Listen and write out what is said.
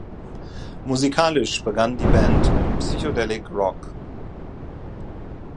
Musikalisch begann die Band mit Psychedelic Rock.